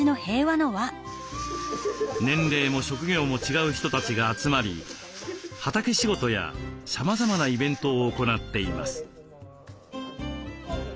年齢も職業も違う人たちが集まり畑仕事やさまざまなイベントを行っています。